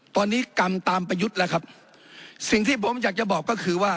ตอนนี้กรรมตามประยุทธ์แล้วครับสิ่งที่ผมอยากจะบอกก็คือว่า